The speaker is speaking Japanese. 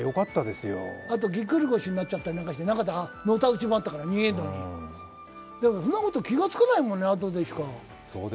あとぎっくり腰になっちゃったりして、中でのたうち回って逃げるのに、でもそんなこと気がつかないもんね、あとでしか。